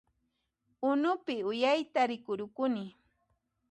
Unupi uyayta rikurukuni